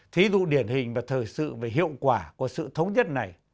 thí dụ điển hình và thời sự về hiệu quả của sự thống nhất này